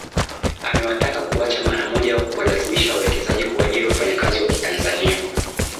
Amewataka kuacha mara moja kuwalazimisha wawekezaji kuajiri wafanyakazi wa kitanzania